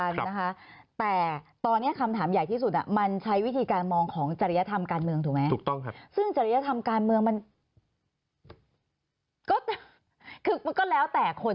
เรื่องเจริญธรรมการเมืองมันก็แล้วแต่คน